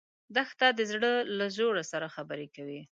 دښته د زړه له ژورو سره خبرې کوي.